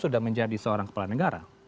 sudah menjadi seorang kepala negara